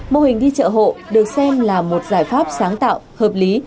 mô hình đi chợ hộ được xem là một giải pháp sáng tạo hợp lý